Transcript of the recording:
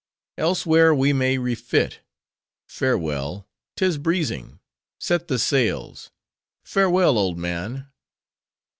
Elsewhere we may refit. Farewell! 'Tis breezing; set the sails! Farewell, old man."